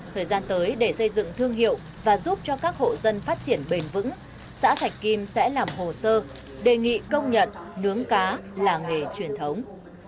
thời gian tới để xây dựng thương hiệu và giúp cho các hộ dân phát triển bền vững xã thạch kim sẽ làm hồ sơ đề nghị công nhận nướng cá là nghề truyền thống